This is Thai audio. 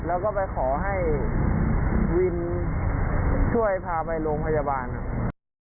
แล้วก็ไปขอให้วินช่วยพาไปโรงพยาบาลครับ